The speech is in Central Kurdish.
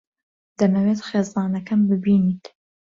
دەمەوێت خێزانەکەم ببینیت.